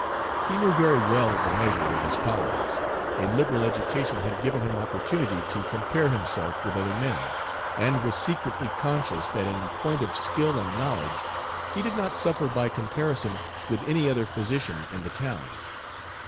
He knew very well the measure of his powers, a liberal education had given him opportunity to compare himself with other men, and was secretly conscious that in point of skill and knowledge he did not suffer by comparison with any other physician in the town.